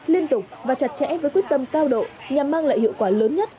liên tục và chặt chẽ với quyết tâm cao độ nhằm mang lại hiệu quả lớn nhất